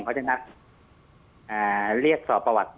เขาจะนัดเรียกสอบประวัติ